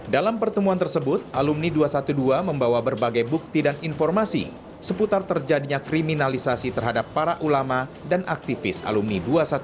dalam pertemuan tersebut alumni dua ratus dua belas membawa berbagai bukti dan informasi seputar terjadinya kriminalisasi terhadap para ulama dan aktivis alumni dua ratus dua belas